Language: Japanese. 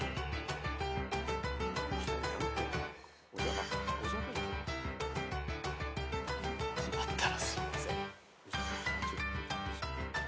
間違ったらすいません。